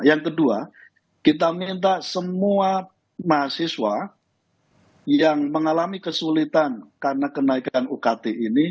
yang kedua kita minta semua mahasiswa yang mengalami kesulitan karena kenaikan ukt ini